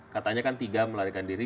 katanya kan tiga melarikan diri